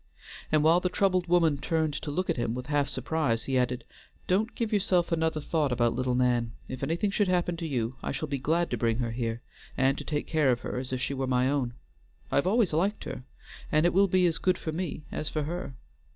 And while the troubled woman turned to look at him with half surprise, he added, "Don't give yourself another thought about little Nan. If anything should happen to you, I shall be glad to bring her here, and to take care of her as if she were my own. I always have liked her, and it will be as good for me as for her.